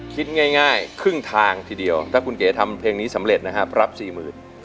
คิดง่ายครึ่งทางทีเดียวถ้าคุณเก๋ทำเพลงนี้สำเร็จนะครับรับสี่หมื่น